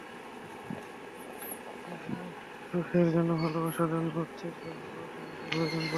যেখানে সুখের জন্য ভালোবাসার জন্য অর্থের চেয়ে ভালোবাসা বেশি প্রয়োজন পড়ে।